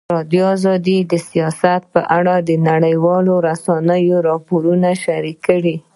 ازادي راډیو د سیاست په اړه د نړیوالو رسنیو راپورونه شریک کړي.